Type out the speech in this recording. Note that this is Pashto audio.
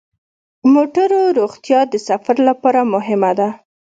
د موټرو روغتیا د سفر لپاره مهمه ده.